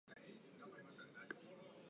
バラが咲いた